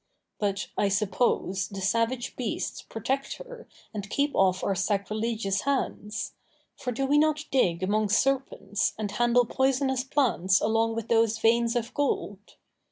But, I suppose, the savage beasts protect her and keep off our sacrilegious hands. For do we not dig among serpents and handle poisonous plants along with those veins of gold?